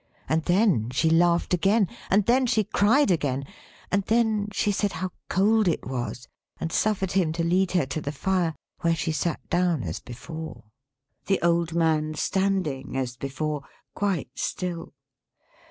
And then, she laughed again; and then, she cried again; and then, she said how cold it was, and suffered him to lead her to the fire, where she sat down as before. The old man standing, as before; quite still.